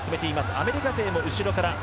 アメリカ勢も後ろから。